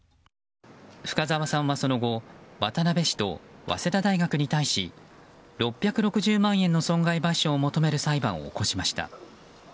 深沢さんはその後渡部氏と早稲田大学に対し６６０万円の損害賠償を求める裁判を起こしました。